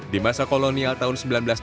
di masa kolonial tahun seribu sembilan ratus lima